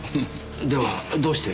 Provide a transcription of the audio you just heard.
ではどうして？